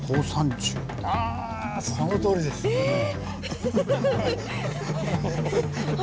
あそのとおりです。え！